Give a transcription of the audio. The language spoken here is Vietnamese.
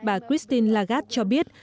bà christine lagarde cho biết